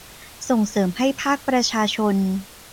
ส่งเสริมให้ภาคประชาชน